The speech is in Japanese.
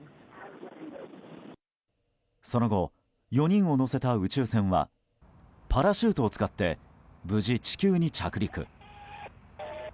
その後、４人を乗せた宇宙船はパラシュートを使って無事、地球に着陸。